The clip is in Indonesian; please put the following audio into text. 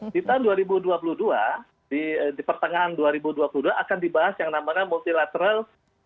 di tahun dua ribu dua puluh dua di pertengahan dua ribu dua puluh dua akan dibahas yang namanya multilateral